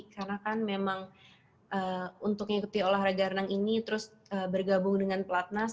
karena kan memang untuk ikuti olahraga renang ini terus bergabung dengan pelatnas